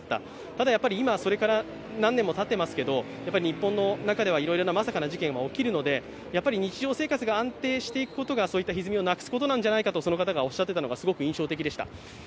ただやっぱり今はそれから何年もたっていますが、日本の中ではいろいろなまさかな事件が起きるので日常生活が安定していくことがそういったひずみをなくすことではないかとおっしゃっていたのが印象的でした。